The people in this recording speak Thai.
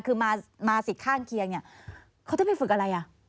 คือมาสิทธิ์ข้างเคียงเนี่ยเขาจะไปฝึกอะไรอ่ะ